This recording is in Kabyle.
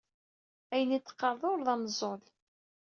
Ayen i d-teqqareḍ ur d ameẓẓul.